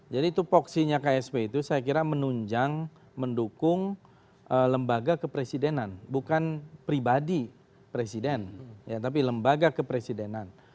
jadi tupoksinya ksp itu saya kira menunjang mendukung lembaga kepresidenan bukan pribadi presiden ya tapi lembaga kepresidenan